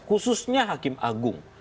khususnya hakim agung